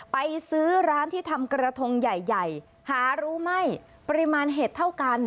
ไปซื้อร้านที่ทำกระทงใหญ่ใหญ่หารู้ไม่ปริมาณเห็ดเท่ากัน